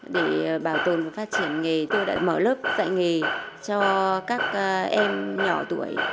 để bảo tồn và phát triển nghề tôi đã mở lớp dạy nghề cho các em nhỏ tuổi